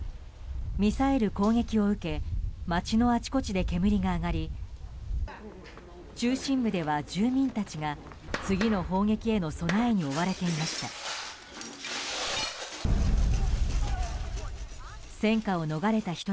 ミサイル攻撃を受け街のあちこちで煙が上がり中心部では住民たちが次の砲撃への備えに追われていました。